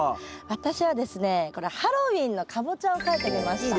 私はですねこれハロウィーンのカボチャを描いてみました。